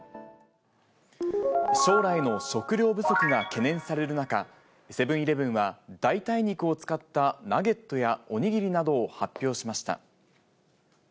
将来の食料不足が懸念される中、セブンイレブンは代替肉を使ったナゲットやお握りなどを発表しました。